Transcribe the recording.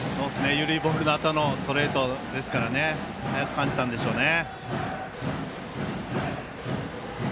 緩いボールのあとのストレートですからね速く感じたんでしょうね。